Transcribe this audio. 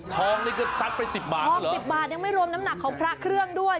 ทองนี่ก็ซัดไป๑๐บาททอง๑๐บาทยังไม่รวมน้ำหนักของพระเครื่องด้วย